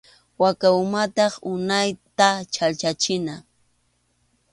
Waka umantaqa unaytam chhallchachina.